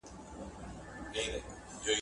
سلیم فطرت له موږ څخه انصاف غواړي.